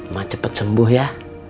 mak cepat sembuh ya